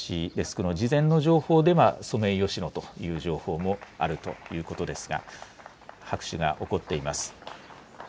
ソメイヨシノという情報もあるということですが拍手も起こっています。